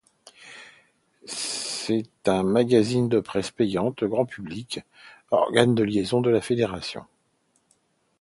C'est un magazine de presse payante grand public, organe de liaison de la fédération.